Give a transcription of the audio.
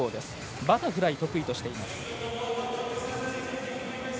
バタフライを得意としています。